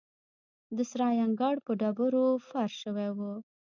د سرای انګړ په ډبرو فرش شوی و.